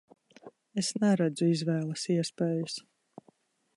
Es neredzu izvēles iespējas.